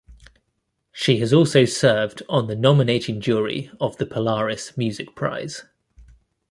She has also served on the nominating jury of the Polaris Music Prize.